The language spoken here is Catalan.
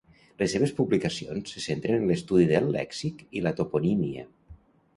Les seves publicacions se centren en l’estudi del lèxic i la toponímia.